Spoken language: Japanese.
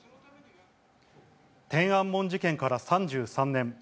天安門事件から３３年。